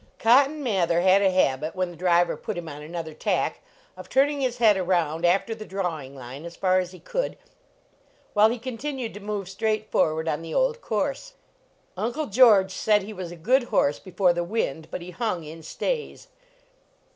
Cotton Mather had a habit, when the driver put him on another tack, of turning his head around after the drawing line as far as he could, while he continued to move straight forward on the old course. Uncle George said he was a good horse before the wind, but he hung in stays.